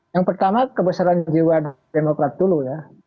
yang pertama kebesaran jiwa demokrat dulu ya